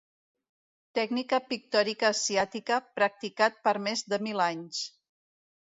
Tècnica pictòrica asiàtica, practicat per més de mil anys.